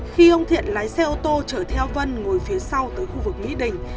khi ông thiện lái xe ô tô chở theo vân ngồi phía sau tới khu vực mỹ đình